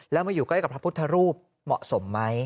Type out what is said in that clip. แล้วมาอยู่ใกล้กับพระพุทธรูปเหมาะสมไหม